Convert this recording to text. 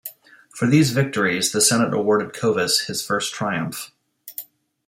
For these victories, the Senate awarded Corvus his first triumph.